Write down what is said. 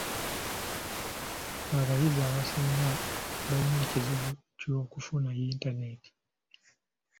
Abayizi abasinga balina ebizibu by'okufuna yintaneeti.